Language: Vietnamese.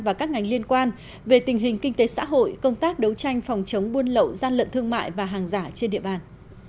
và các ngành liên quan về tình hình kinh tế xã hội công tác đấu tranh phòng chống buôn lậu gian lận thương mại và hàng giả trên địa bàn